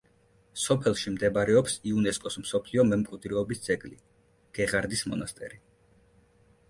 სოფელში მდებარეობს იუნესკოს მსოფლიო მემკვიდრეობის ძეგლი გეღარდის მონასტერი.